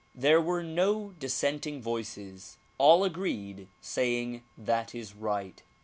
There were no dissenting voices; all agreed, saying "That is right."